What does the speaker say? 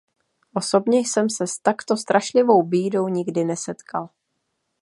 Osobně jsem se s takto strašlivou bídou nikdy nesetkal.